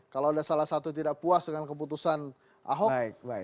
kalau ada salah satu yang tidak puas dengan keputusan ahok